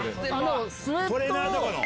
トレーナーとかの？